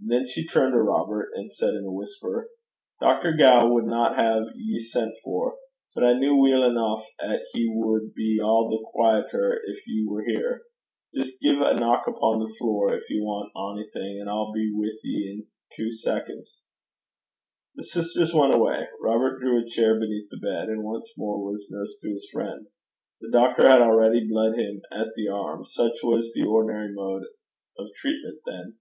Then she turned to Robert, and said in a whisper, 'Dr. Gow wadna hae ye sent for; but I kent weel eneuch 'at he wad be a' the quaieter gin ye war here. Jist gie a chap upo' the flure gin ye want onything, an' I'll be wi' ye in twa seconds.' The sisters went away. Robert drew a chair beside the bed, and once more was nurse to his friend. The doctor had already bled him at the arm: such was the ordinary mode of treatment then.